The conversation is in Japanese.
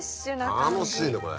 楽しいねこれ。